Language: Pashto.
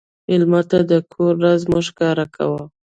مېلمه ته د کور راز مه ښکاره کوه.